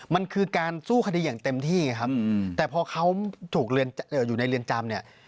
มันคือการสู้คดีอย่างเต็มที่ครับแต่พอเขาถูกอยู่ในเรือนจำเนี่ย